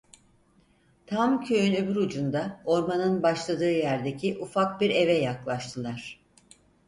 Tam köyün öbür ucunda, ormanın başladığı yerdeki ufak bir eve yaklaştılar.